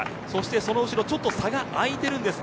その後ろ、ちょっと差が開いていますが